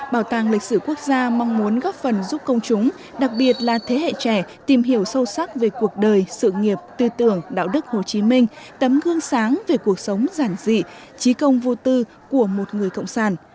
bảo tàng lịch sử quốc gia mong muốn góp phần giúp công chúng đặc biệt là thế hệ trẻ tìm hiểu sâu sắc về cuộc đời sự nghiệp tư tưởng đạo đức hồ chí minh tấm gương sáng về cuộc sống giản dị trí công vô tư của một người cộng sản